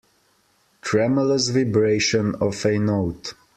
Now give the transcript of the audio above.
Tremulous vibration of a note.